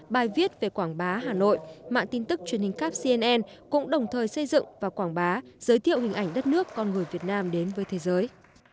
bài viết về quảng bá hà nội mạng tin tức truyền hình cap cnn cũng đồng thời xây dựng và quảng bá giới thiệu hình ảnh đất nước con người việt nam đến với thế giới